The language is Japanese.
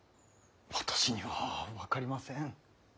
私には分かりません。